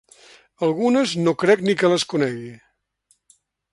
Algunes no crec ni que les conegui.